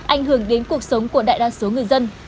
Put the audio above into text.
ảnh hưởng đến cuộc sống của đại đa số người dân